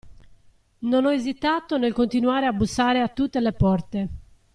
Non ho esitato nel continuare a bussare a tutte le porte.